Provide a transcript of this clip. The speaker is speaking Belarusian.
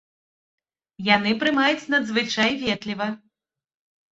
Яны прымаюць надзвычай ветліва.